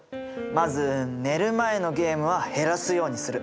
まず寝る前のゲームは減らすようにする。